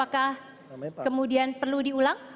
kemudian perlu diulang